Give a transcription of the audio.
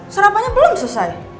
sarapannya belum selesai